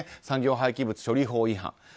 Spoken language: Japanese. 産業廃棄物処理法違反。